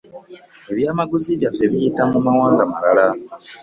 Ebyamaguzi byaffe biyita mu mawanga malala.